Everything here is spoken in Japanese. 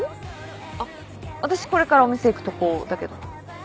あ私これからお店行くとこだけど。